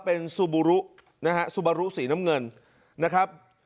เป็นซูบูรุนะฮะซูบารุสีน้ำเงินนะครับ